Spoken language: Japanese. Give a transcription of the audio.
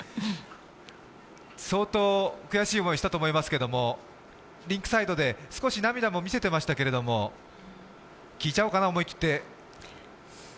相当悔しい思いをしたと思いますけど、リンクサイドで少し涙も見せていましたけれども、聞いちゃおうかな、思い切って。